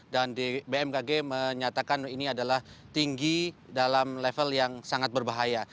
dan bmkg menyatakan ini adalah tinggi dalam level yang sangat berbahaya